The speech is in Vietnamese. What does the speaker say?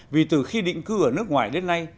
vì từ khi định cư ở nước ngoài đến nay